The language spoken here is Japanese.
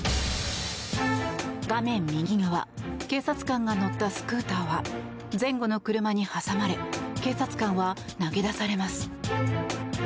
画面右側警察官が乗ったスクーターは前後の車に挟まれ警察官は投げ出されます。